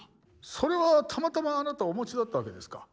それはたまたまあなたお持ちだったわけですか？